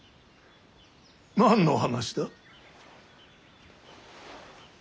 何の話だ。